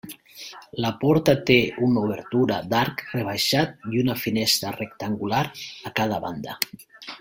La porta té una obertura d'arc rebaixat i una finestra rectangular a cada banda.